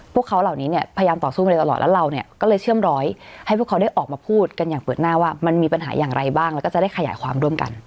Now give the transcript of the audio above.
พวกเขาเหล่านี้เนี่ยพยายามต่อสู้มาโดยตลอดแล้วเราเนี่ยก็เลยเชื่อมร้อยให้พวกเขาได้ออกมาพูดกันอย่างเปิดหน้าว่ามันมีปัญหาอย่างไรบ้างแล้วก็จะได้ขยายความร่วมกัน